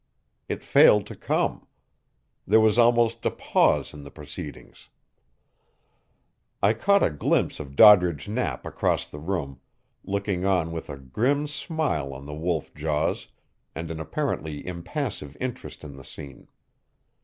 It failed to come. There was almost a pause in the proceedings. I caught a glimpse of Doddridge Knapp across the room, looking on with a grim smile on the wolf jaws and an apparently impassive interest in the scene.